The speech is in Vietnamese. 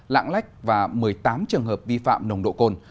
lãng lách và một mươi tám trường hợp vi phạm nồng độ côn